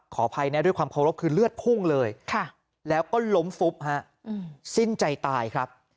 อภัยนะด้วยความเคารพคือเลือดพุ่งเลยแล้วก็ล้มฟุบฮะสิ้นใจตายครับ